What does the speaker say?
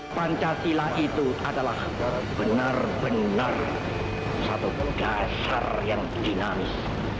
pancasila itu adalah benar benar satu dasar yang dinamis